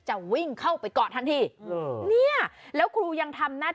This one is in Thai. ไอ้กาสดตากลัวเขาถาม